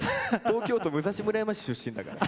東京都武蔵村山市出身だから。